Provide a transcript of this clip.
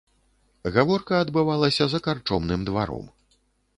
Гаворка адбывалася за карчомным дваром.